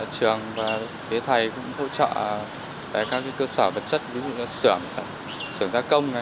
trường và phía thầy cũng